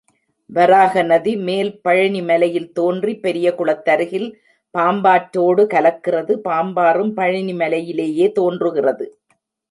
வராக நதி, மேல் பழனிமலையில் தோன்றி, பெரிய குளத்திற்கருகில் பாம்பாற்றோடு கலக்கிறது, பாம்பாறும் பழனிமலையிலேயே தோன்றுகிறது.